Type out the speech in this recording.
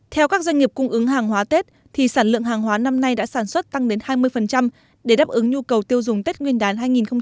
theo các doanh nghiệp cung ứng hàng hóa tết thì sản lượng hàng hóa năm nay đã sản xuất tăng đến hai mươi để đáp ứng nhu cầu tiêu dùng tết nguyên đán hai nghìn hai mươi